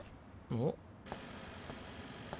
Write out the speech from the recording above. おっ。